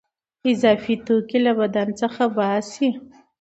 اضافي توکي له بدن څخه باسي.